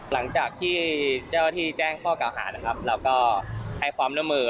หลังจากที่เจ้าที่แจ้งข้อกล่าวหาเราก็ให้ความน้ำมือ